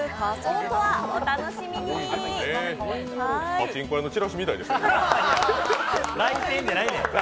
パチンコ屋のチラシみたいでしたよ。